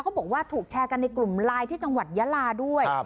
บอกว่าถูกแชร์กันในกลุ่มไลน์ที่จังหวัดยาลาด้วย